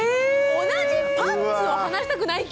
同じパンツを離したくない期？